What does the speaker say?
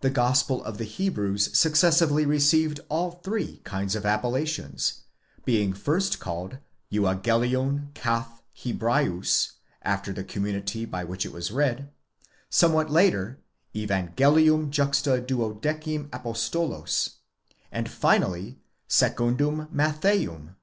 The Gospel of the Hebrews successively received all three kinds of appellations ; being first called εὐαγγέλιον καθ᾽ Ἕ βραίους, after the community by which it was read ; somewhat later, Evangelium juxta duodecim apostolos ; and finally, secundum Mattheum.